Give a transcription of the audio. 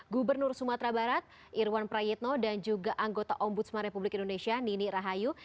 gubernur sumatera barat irwan prayetno dan juga anggota ombudsman republik indonesia nini rahayu